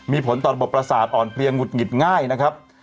มีผลต่อระบบประสาทอ่อนเพลียงหุดหงิดง่ายนะครับ